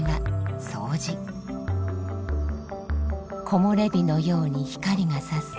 木もれ日のように光がさす